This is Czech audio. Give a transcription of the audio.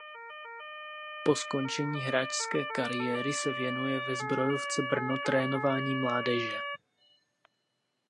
Po skončení hráčské kariéry se věnuje ve Zbrojovce Brno trénování mládeže.